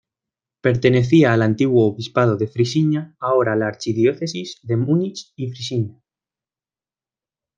Pertenecía al antiguo Obispado de Frisinga, ahora la Archidiócesis de Múnich y Frisinga.